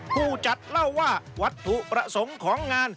ผู้จัดเล่าว่าวัตถุประสงค์ของงาน